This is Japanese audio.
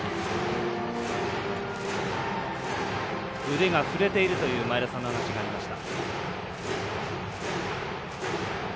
腕が振れているというお話がありました。